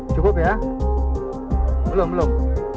cukup ya belum belum